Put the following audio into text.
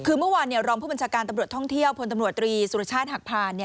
คือเมื่อวานรองผู้บัญชาการตำรวจท่องเที่ยวพลตำรวจตรีสุรชาติหักผ่าน